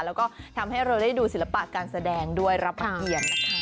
แล้วก็ทำให้เราได้ดูศิลปะการแสดงด้วยรับประเกียรตินะคะ